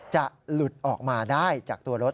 จะหลุดออกมาได้จากตัวรถ